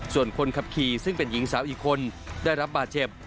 ส่วนคนขับขี่ซึ่งเป็นหญิงสาวอีกคนได้รับบาดเจ็บ